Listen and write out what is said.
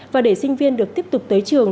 và để sinh viên được tiếp tục tới trường